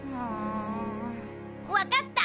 わかった。